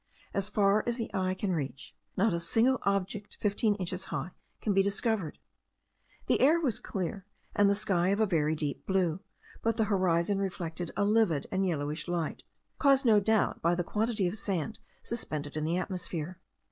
As far as the eye can reach, not a single object fifteen inches high can be discovered. The air was clear, and the sky of a very deep blue; but the horizon reflected a livid and yellowish light, caused no doubt by the quantity of sand suspended in the atmosphere.